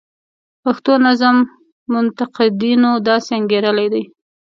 پښتو نظم منتقدینو داسې انګیرلې ده.